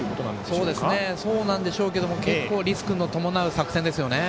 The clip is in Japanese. そうなんでしょうけど結構リスクを伴う作戦ですね。